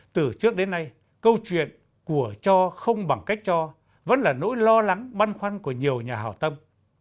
từ trước đến nay câu chuyện của cho không bằng cách cho vẫn là nỗi lo lắng băn khoăn của nhiều nhà hào tâm